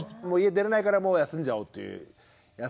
家出れないからもう休んじゃおうという。